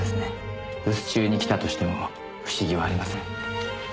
留守中に来たとしても不思議はありません。